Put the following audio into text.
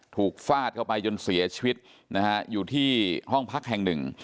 ฟาดเข้าไปจนเสียชีวิตนะฮะอยู่ที่ห้องพักแห่งหนึ่ง